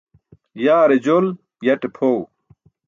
Yaare jol yate phoẏ